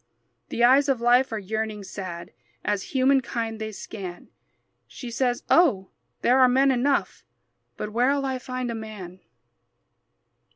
The eyes of life are yearning, sad, As humankind they scan. She says, "Oh, there are men enough, But where'll I find a man?"